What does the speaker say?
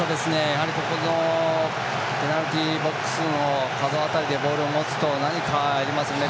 やはりペナルティーボックスのあの辺りでボールを持つと何かありますね。